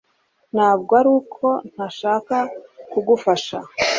Ntabwo ari uko ntashaka kugufasha